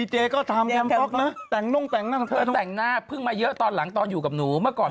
อ๋อหนุ่มแต่งหน้าเก่งอยู่แล้วค่ะ